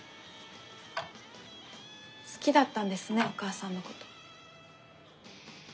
好きだったんですねお母さんのこと。